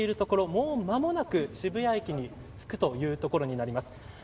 もうまもなく渋谷駅に着くところになります。